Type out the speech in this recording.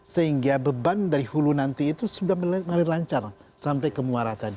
sehingga beban dari hulu nanti itu sudah mulai lancar sampai ke muara tadi